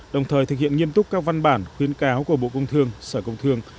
đồng thời thực hiện nghiêm túc các văn bản khuyến cáo của bộ công thương sở công thương